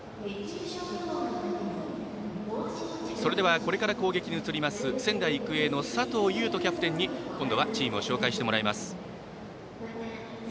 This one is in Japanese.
それでは、これから攻撃に移る仙台育英の佐藤悠斗キャプテンにチームを紹介してもらいます。